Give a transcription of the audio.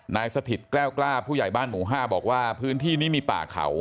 สถิตแก้วกล้าผู้ใหญ่บ้านหมู่๕บอกว่าพื้นที่นี้มีป่าเขา